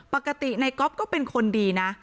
ปกตินายก๊อฟก็เป็นคนดีนะ